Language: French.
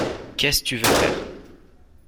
Qu'est-ce tu veux faire?